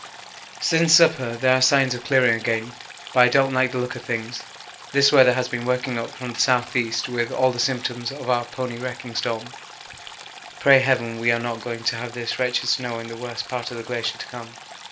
Since supper there are signs of clearing again, but I don't like the look of things; this weather has been working up from the S.E. with all the symptoms of our pony wrecking storm. Pray heaven we are not going to have this wretched snow in the worst part of the glacier to come.